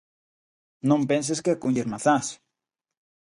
Non penses que é coller mazás.